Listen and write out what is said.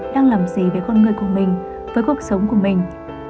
đang làm gì về con người của mình với cuộc sống của mình